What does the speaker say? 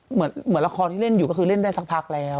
เหมือนละครที่เล่นอยู่ก็คือเล่นได้สักพักแล้ว